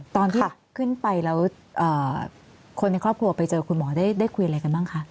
ตอนที่ขึ้นไปแล้วคนในครอบครัวไปเจอคุณหมอได้คุยอะไรกันบ้างคะ